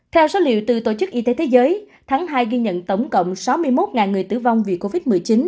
theo số liệu từ tổ chức y tế thế giới tháng hai ghi nhận tổng cộng sáu mươi một người tử vong vì covid một mươi chín